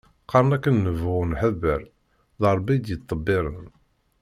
Qqaren akken nebɣu nḥebbeṛ, d Rebbi i yettḍebbiren.